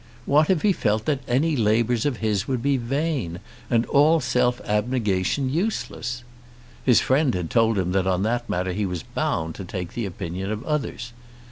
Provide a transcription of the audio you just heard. What if he felt that any labours of his would be vain, and all self abnegation useless? His friend had told him that on that matter he was bound to take the opinion of others.